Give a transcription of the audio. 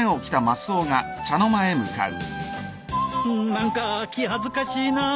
何か気恥ずかしいなあ。